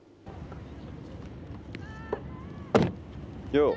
よう。